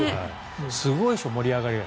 すごいでしょ、盛り上がり。